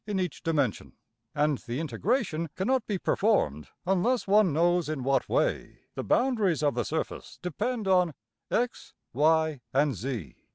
} in each dimension; and the integration cannot be performed unless one knows in what way the boundaries of the surface depend on $x$,~$y$, and~$z$.